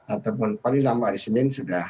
ataupun paling lama hari senin sudah